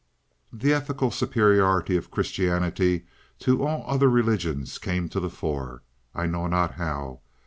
The ethical superiority of Christianity to all other religions came to the fore—I know not how.